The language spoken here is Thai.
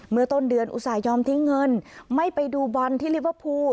เมื่อต้นเดือนอุตส่าหยอมทิ้งเงินไม่ไปดูบอลที่ลิเวอร์พูล